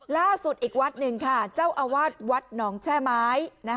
ล่าสุดอีกวัดหนึ่งค่ะเจ้าอาวาสวัดหนองแช่ไม้